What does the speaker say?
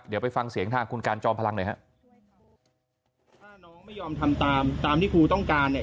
เดี๋ยวไปฟังเสียงทางคุณการจอมพลังหน่อยครับ